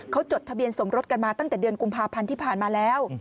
เขาจดทะเบียนสมรสกันมาตั้งแต่เดือนกุมภาพันธ์ที่ผ่านมาแล้ว